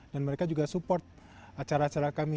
dan mereka juga support acara acara kami